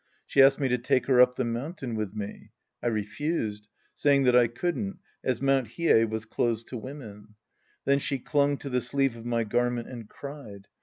She asked me to take her up the mountain with me. I refused, saying that I couldn't, as Mt. Hiei was closed to women. Then she clung to the sleeve of my garment and cried.